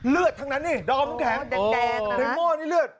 เลือดทั้งนั้นเนี่ยดอมแข็งในหม้อนี้เลือด